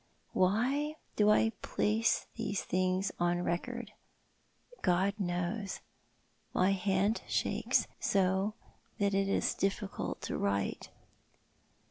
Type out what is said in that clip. Why do I place these things on record ? God knows. ]\Iy hand shakes so that it is difficult to write.